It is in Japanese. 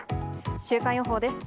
週間予報です。